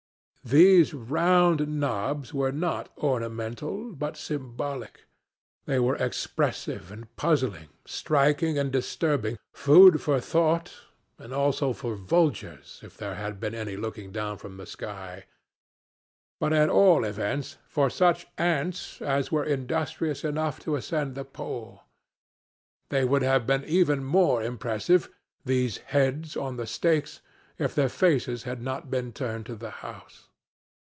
These round knobs were not ornamental but symbolic; they were expressive and puzzling, striking and disturbing food for thought and also for the vultures if there had been any looking down from the sky; but at all events for such ants as were industrious enough to ascend the pole. They would have been even more impressive, those heads on the stakes, if their faces had not been turned to the house.